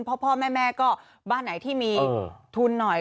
เพราะพ่อแม่แม่ก็บ้านไหนที่มีทุนหน่อย